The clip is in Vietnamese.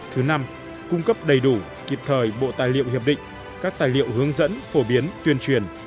thứ năm cung cấp đầy đủ kịp thời bộ tài liệu hiệp định các tài liệu hướng dẫn phổ biến tuyên truyền